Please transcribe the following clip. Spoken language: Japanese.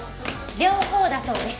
両方だそうです。